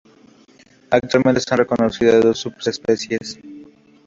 Actualmente están reconocidas dos subespecies.